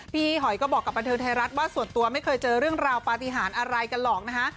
พี่หอยก็บอกกับบันเทิงไทยรัฐว่าส่วนตัวไม่เคยเจอเรื่องราวปฏิหารอะไรกันหรอกนะคะ